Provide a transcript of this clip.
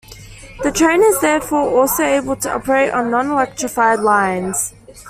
The train is therefore also able to operate on non-electrified lines.